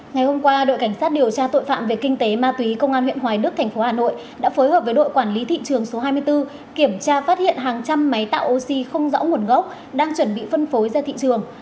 ngày hôm qua đội cảnh sát điều tra tội phạm về kinh tế ma túy công an huyện hoài đức thành phố hà nội đã phối hợp với đội quản lý thị trường số hai mươi bốn kiểm tra phát hiện hàng trăm máy tạo oxy không rõ nguồn gốc đang chuẩn bị phân phối ra thị trường